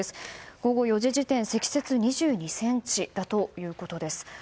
午後４時時点積雪２２ｃｍだということです。